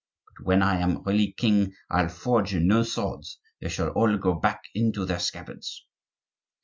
But when I am really king, I'll forge no swords; they shall all go back into their scabbards."